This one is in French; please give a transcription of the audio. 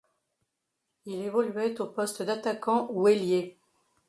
Il évoluait au poste d'attaquant ou ailier.